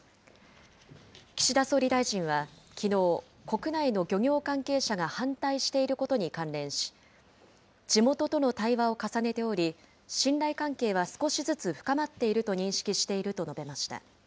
岸田総理大臣は、きのう、国内の漁業関係者が反対していることに関連し、地元との対話を重ねており、信頼関係は少しずつ深まっていると認識していると述べました。